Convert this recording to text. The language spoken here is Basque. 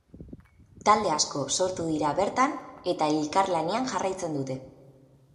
Talde asko sortu dira bertan eta elkarlanean jarraitzen dute.